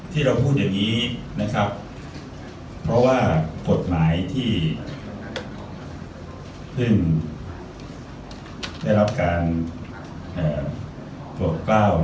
ที่เราพูดอย่างนี้นะครับเพราะว่ากฎหมายที่เพิ่งได้รับการโปรดกล้าว